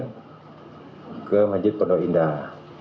pak ki planzen ke majid pondoh indah